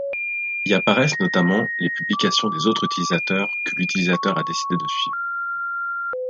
Y apparaissent notamment les publications des autres utilisateurs que l'utilisateur a décidé de suivre.